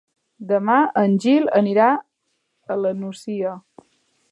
Demà en Gil anirà a la Nucia.